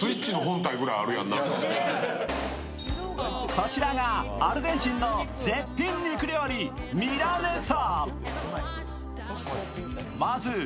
こちらがアルゼンチンの絶品肉料理ミラネサ。